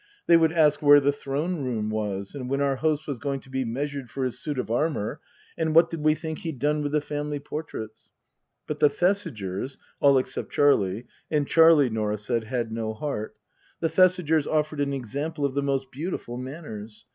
They would ask where the throne room was and when our host was going to be measured for his suit of armour, and what did we think he'd done with the family portraits ? But the Thesigers (all except Charlie and Charlie, Norah said, had no heart), the Thesigers offered an example of the most beautiful manners.